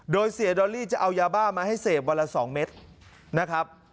โดยเสียดอลลี่จะเอายาบ้ามาให้เสพวันละ๒เม็ดนะครับ